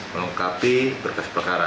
mengungkapi berkas perkara